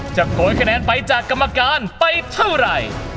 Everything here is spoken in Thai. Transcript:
โกยคะแนนไปจากกรรมการไปเท่าไหร่